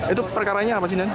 itu perkaranya apa sih